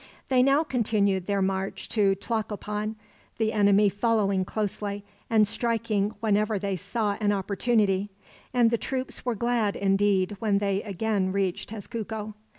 They now continued their march to Tlacopan, the enemy following closely, and striking whenever they saw an opportunity; and the troops were glad, indeed, when they again reached Tezcuco.